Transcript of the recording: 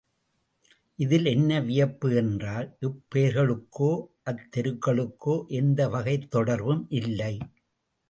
இதில் என்ன வியப்பு என்றால் இப் பெயர்களுக்கோ அத் தெருக்களுக்கோ எந்தவகைத் தொடர்பும் இல்லை.